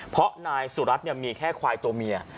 เพราะนายสุรัตน์มีแค่ควายตัวเมีย